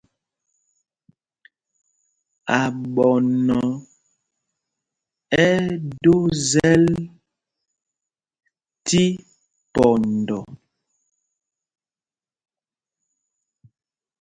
Aɓɔnɔ ɛ́ ɛ́ do zɛ́l tí pɔndɔ.